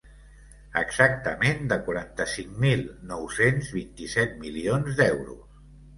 Exactament de quaranta-cinc mil nou-cents vint-i-set milions d’euros.